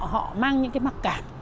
họ mang những cái mặc cảm